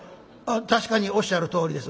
「確かにおっしゃるとおりです」。